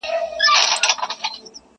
کرۍ ورځ په کور کي لوبي او نڅا کړي!.